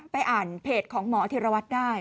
อ่านเพจของหมอธิรวัตรได้